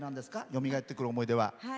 よみがえってくる思い出は。